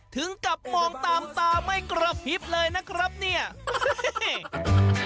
ถึงกับมองตามตาไม่กระพริบเลยนะครับเนี่ย